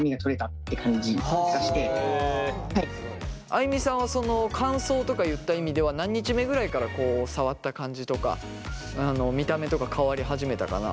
あいみさんはその乾燥とかいった意味では何日目ぐらいから触った感じとか見た目とか変わり始めたかな？